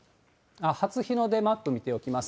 初日の出マップ見ておきます。